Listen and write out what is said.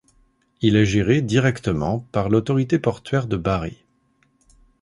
Il est géré directement par l'autorité portuaire de Barry.